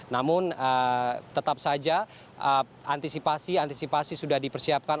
namun tetap saja antisipasi antisipasi sudah dipersiapkan